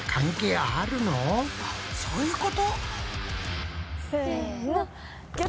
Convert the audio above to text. あっこういうこと？